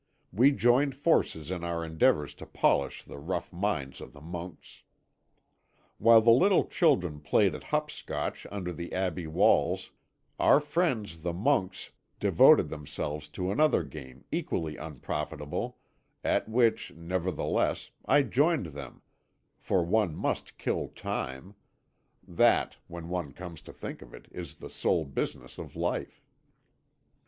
We joined forces in our endeavours to polish the rough mind of the monks. "While the little children played at hop scotch under the Abbey walls our friends the monks devoted themselves to another game equally unprofitable, at which, nevertheless, I joined them, for one must kill time, that, when one comes to think of it, is the sole business of life.